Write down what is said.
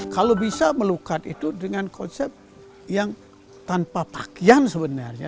kalau bisa melukat itu dengan konsep yang tanpa pakaian sebenarnya